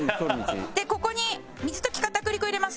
でここに水溶き片栗粉入れます